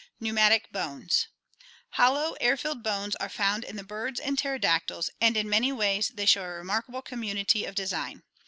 Pneumatic Bones. — Hollow, air filled bones are found in the birds and pterodactyls and in many ways they show a remarkable community of design.